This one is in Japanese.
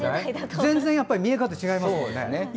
全然見え方が違いますもんね。